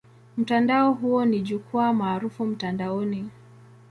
Mtandao huo ni jukwaa maarufu mtandaoni.